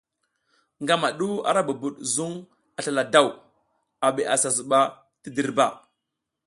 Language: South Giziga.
Ngama du ara bubud zuŋ a slala daw, a bi a sa zuɓa ti dirba.